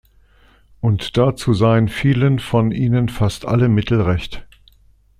Und dazu seien vielen von ihnen fast alle Mittel recht.